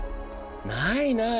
ないない。